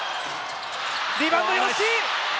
リバウンド、吉井！